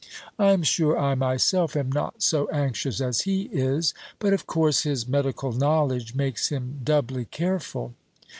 I am sure I myself am not so anxious as he is; but of course his medical knowledge makes him doubly careful.